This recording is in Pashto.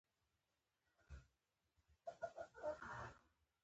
نیکه د خپل قوم ویاړ بیانوي.